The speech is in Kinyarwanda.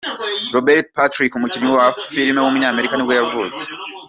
Robert Patrick, umukinnyi wa filime w’umunyamerika nibwo yavutse.